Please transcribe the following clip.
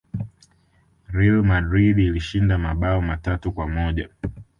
real madrid ilishinda mabao matatu kwa moja